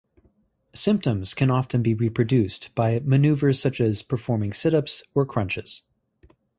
Symptoms can often be reproduced by maneuvers such as performing sit-ups or crunches.